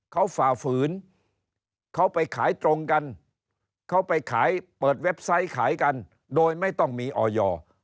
เขาฝ่าฝืนเขาไปขายตรงกันเขาไปขายเปิดเว็บไซต์ขายกันโดยไม่ต้องมีออย